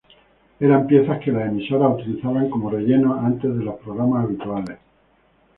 Eran piezas que las emisoras utilizaban como relleno antes de los programas habituales.